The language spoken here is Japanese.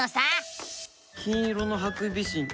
金色のハクビシン